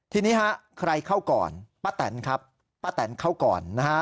ทีนี้ฮะใครเข้าก่อนป้าแตนครับป้าแตนเข้าก่อนนะฮะ